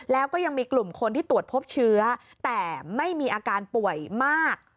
แล้วก็ยังมีกลุ่มคนที่ตรวจพบเชื้อแต่ไม่มีอาการป่วยมาก